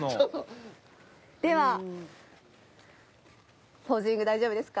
ではポージング大丈夫ですか？